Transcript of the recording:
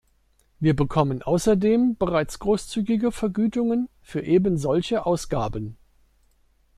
Wir bekommen außerdem bereits großzügige Vergütungen für eben solche Ausgaben.